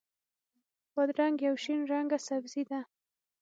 بادرنګ یو شین رنګه سبزي ده.